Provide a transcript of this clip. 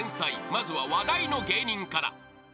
［まずは話題の芸人から］